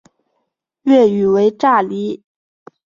粤语为炸厘。